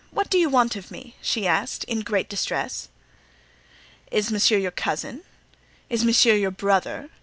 What do you want of me?" she asked, in great distress. "Is monsieur your cousin? Is monsieur your brother?"